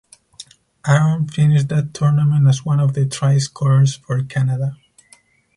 Aaron finished that tournament as one of the try scorers for Canada.